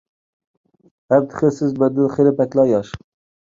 ھەم تېخى سىز مەندىن خېلى بەكلا ياش.